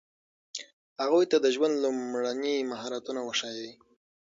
هغوی ته د ژوند لومړني مهارتونه وښایئ.